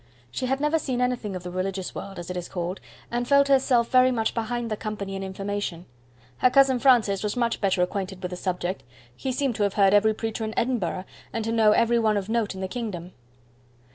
She had never seen anything of the religious world, as it is called, and felt herself very much behind the company in information. Her cousin Francis was much better acquainted with the subject; he seemed to have heard every preacher in Edinburgh, and to know every one of note in the kingdom.